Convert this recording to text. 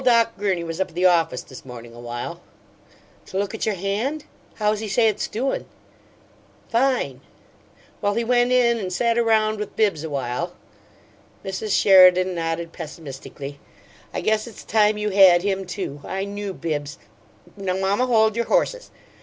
"Why, ole Doc Gurney was up at the office this morning awhile " "To look at your hand? How's he say it's doin'?" "Fine! Well, he went in and sat around with Bibbs awhile " Mrs. Sheridan nodded pessimistically. "I guess it's time you had him, too. I KNEW Bibbs " "Now, mamma, hold your horses!